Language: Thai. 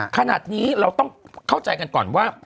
ขนาดนี้เราต้องเข้าใจกันก่อนว่า